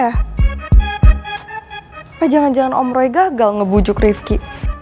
apa jangan jangan om roy gagal ngebujuk rufki